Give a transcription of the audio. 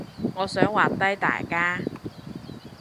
我想畫低大家